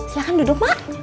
silahkan duduk mak